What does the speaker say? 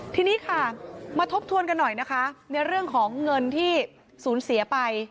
ทีนี้ค่ะมาทบทวนกันหน่อยนะคะในเรื่องของเงินที่สูญเสียไป